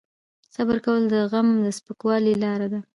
صبر کول د غم د سپکولو لاره ده.